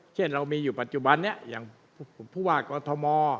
เช่นเรามีอยู่ปัจจุบันนี้อย่างผู้ว่ากอทม